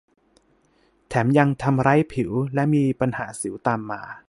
แถมยังทำร้ายผิวและมีปัญหาสิวตามมา